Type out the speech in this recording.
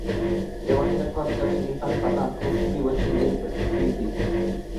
এবার সেটা খোয়াতে যাচ্ছেন ইরফান পাঠান, খুব শিগগির বসছেন বিয়ের পিঁড়িতে।